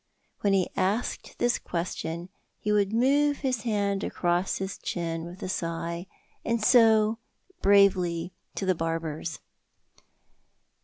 When he asked this question he would move his hand across his chin with a sigh, and so, bravely to the barber's.